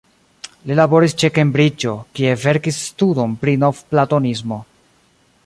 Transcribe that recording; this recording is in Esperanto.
Li laboris ĉe Kembriĝo, kie verkis studon pri Novplatonismo.